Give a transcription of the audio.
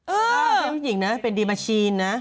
เพื่อนผู้หญิงนะเป็นดีมาชีนนะ